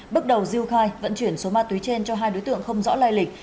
bước đầu diêu khai vận chuyển số ma túy trên cho hai đối tượng không rõ lai lịch